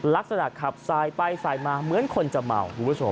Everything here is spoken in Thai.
ลักษณะขับสายไปสายมาเหมือนคนจะเหมา